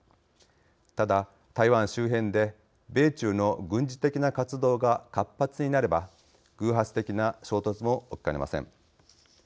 ただ、台湾周辺で米中の軍事的な活動が活発になれば偶発的な衝突も起きかねません。